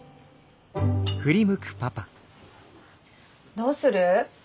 どうする？